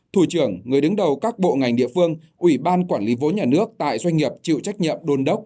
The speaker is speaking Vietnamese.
thủ trưởng người đứng đầu các bộ ngành địa phương ủy ban quản lý vốn nhà nước tại doanh nghiệp chịu trách nhiệm đôn đốc